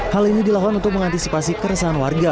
hal ini dilakukan untuk mengantisipasi keresahan warga